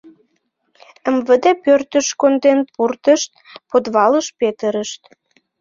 МВД пӧртыш конден пуртышт, подвалыш петырышт.